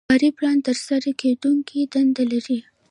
کاري پلان ترسره کیدونکې دندې لري.